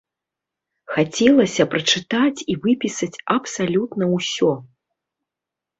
Хацелася прачытаць і выпісаць абсалютна ўсё.